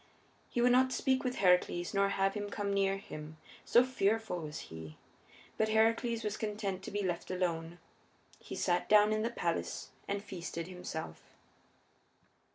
He would not speak with Heracles nor have him come near him, so fearful was he. But Heracles was content to be left alone. He sat down in the palace and feasted himself.